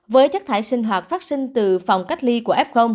với chất thải sinh hoạt phát sinh từ phòng cách ly của f